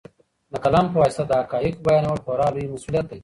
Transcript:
د قلم په واسطه د حقایقو بیانول خورا لوی مسوولیت دی.